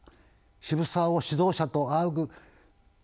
渋沢を指導者と仰ぐ方面